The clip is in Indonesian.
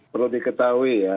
perlu diketahui ya